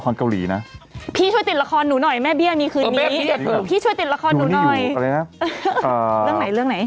นี่นานมากเลยเนอะ